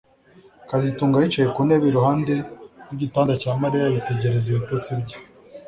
kazitunga yicaye ku ntebe iruhande rwigitanda cya Mariya yitegereza ibitotsi bye